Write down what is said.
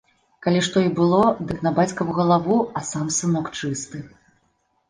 Калі што і было, дык на бацькаву галаву, а сам сынок чысты.